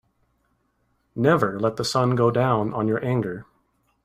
Never let the sun go down on your anger.